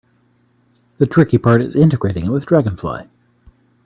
The tricky part is integrating it with Dragonfly.